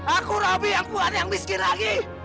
aku rabi yang kuat yang miskin lagi